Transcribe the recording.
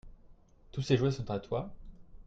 Tous ces jouets sont à toi ?